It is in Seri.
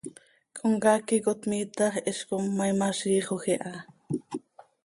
Comcaac iicot miitax hizcom, ma imaziixoj iha.